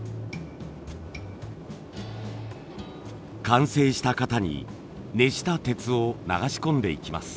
完成した型に熱した鉄を流し込んでいきます。